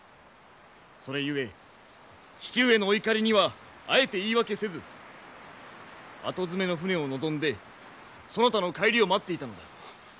それゆえ父上のお怒りにはあえて言い訳せず後詰めの船を望んでそなたの帰りを待っていたのだ。